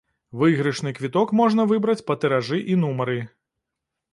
Выйгрышны квіток можна выбраць па тыражы і нумары.